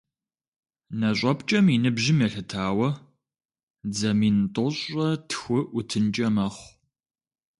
НэщIэпкIэм и ныбжьым елъытауэ, дзэ мин тIощIрэ тху IутынкIэ мэхъу.